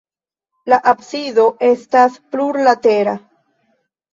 La absido estas plurlatera.